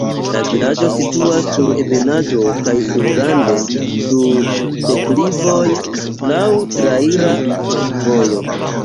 La vilaĝo situas sur ebenaĵo kaj sur rande sur deklivoj, laŭ traira flankovojo.